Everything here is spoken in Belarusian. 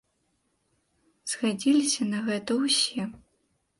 Згадзіліся на гэта ўсе.